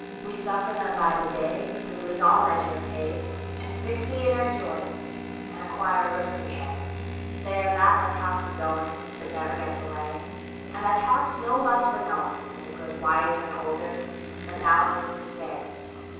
We suffer them by the dayTill we lose all measure of pace, And fixity in our joys, And acquire a listening air. They are that that talks of goingBut never gets away; And that talks no less for knowing, As it grows wiser and older, That now it means to stay.